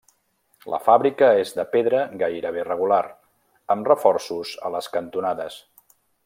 La fàbrica és de pedra gairebé regular, amb reforços a les cantonades.